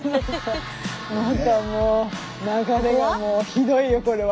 何かもう流れがもうひどいよこれは。